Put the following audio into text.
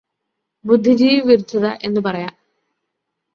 ബുദ്ധിജീവി വിരുദ്ധത എന്നു പറയാം.